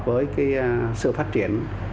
với cái sự phát triển